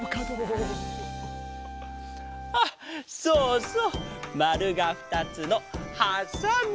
あっそうそうまるがふたつのはさみ！